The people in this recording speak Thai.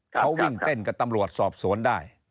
เขาวิ่งเต้นกับตำรวจสอบสวนได้